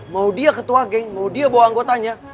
mau dia ketua g mau dia bawa anggotanya